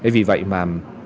vì vậy mà